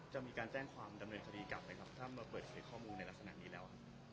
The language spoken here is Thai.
จะมีการแจ้งความดำเนินคดีกลับไหมครับถ้ามาเปิดเผยข้อมูลในลักษณะนี้แล้ว